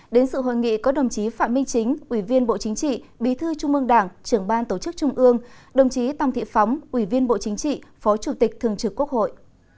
đến sự hội nghị có đồng chí phạm minh chính ủy viên bộ chính trị bí thư trung ương đảng trưởng ban tổ chức trung ương đồng chí tòng thị phóng ủy viên bộ chính trị phó chủ tịch thường trực quốc hội